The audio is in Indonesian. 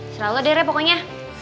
selalu ada ya pokoknya